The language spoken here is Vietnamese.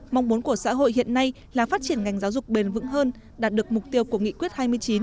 mong muốn của xã hội hiện nay là phát triển ngành giáo dục bền vững hơn đạt được mục tiêu của nghị quyết hai mươi chín